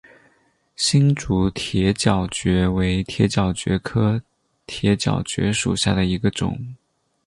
新竹铁角蕨为铁角蕨科铁角蕨属下的一个种。